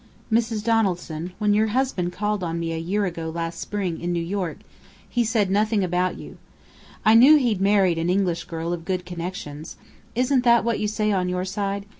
Mrs. Donaldson, when your husband called on me a year ago last spring, in New York, he said nothing about you. I knew he'd married an English girl of good connections (isn't that what you say on your side?)